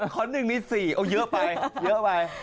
ข้อ๑นี่๔เอาเยอะไปเยอะไป